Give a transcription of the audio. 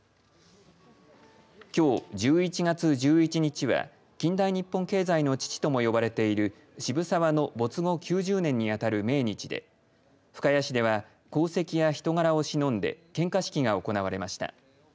きょう１１月１１日は近代日本経済の父とも呼ばれている渋沢の没後９０年に当たる命日で深谷市では功績や人柄をしのんで献花式が行われました。